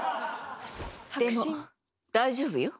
でも大丈夫よ。